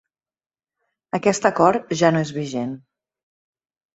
Aquest acord ja no és vigent.